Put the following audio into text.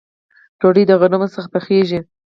ډوډۍ د غنمو څخه پخیږي